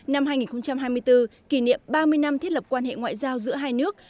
năm hai nghìn hai mươi bốn kỷ niệm ba mươi năm thiết lập quan hệ ngoại giao giữa hai nước